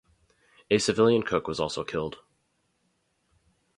A civilian cook was also killed.